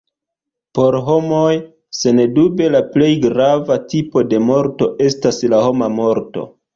Por homoj, sendube la plej grava tipo de morto estas la homa morto.